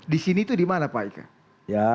di sini itu di mana pak ika